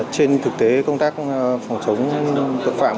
trên thực tế công tác phòng chống tội phạm